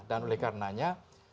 dan oleh karenanya